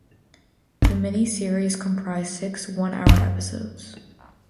The miniseries comprised six one-hour episodes.